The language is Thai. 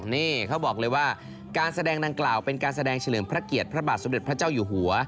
นี่เขาบอกเลยว่าการแสดงดังกล่าวเป็นการแสดงเฉลิมพระเกียรติพระบาทสมเด็จพระเจ้าอยู่หัว